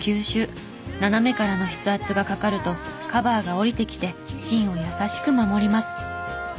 斜めからの筆圧がかかるとカバーが下りてきて芯を優しく守ります。